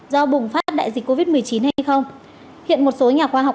do bùng phát đại dịch covid một mươi chín hay không hiện một số nhà khoa học